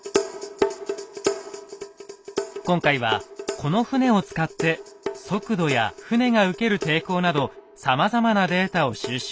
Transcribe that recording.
今回はこの船を使って速度や船が受ける抵抗などさまざまなデータを収集。